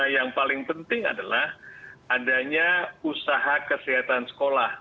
yang paling penting adalah adanya usaha kesehatan sekolah